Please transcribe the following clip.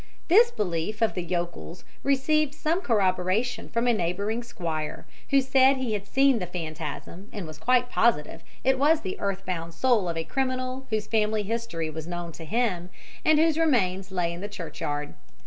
This belief of the yokels received some corroboration from a neighbouring squire, who said he had seen the phantasm, and was quite positive it was the earth bound soul of a criminal whose family history was known to him, and whose remains lay in the churchyard.